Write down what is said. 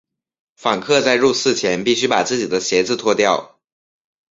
访客在入寺前必须把自己的鞋子脱掉。